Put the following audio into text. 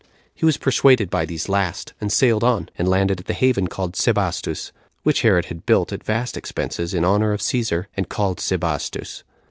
He was persuaded by these last, and sailed on, and landed at the haven called Sebastus, which Herod had built at vast expenses in honor of Cæsar, and called Sebastus.